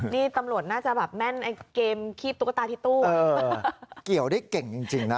นี่ตำรวจน่าจะแบบแม่นไอ้เกมคีบตุ๊กตาที่ตู้เกี่ยวได้เก่งจริงนะ